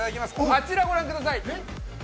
あちらご覧ください。